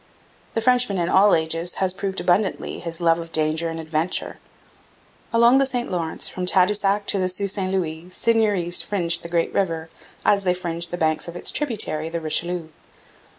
The Frenchman in all ages has proved abundantly his love of danger and adventure. Along the St Lawrence from Tadoussac to the Sault St Louis seigneuries fringed the great river, as they fringed the banks of its tributary, the Richelieu.